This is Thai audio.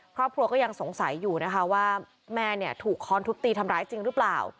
ครอบครัวก็ยังสงสัยอยู่นะคะว่าแม่เนี่ยถูกค้อนทุบตีทำร้ายจริงหรือเปล่า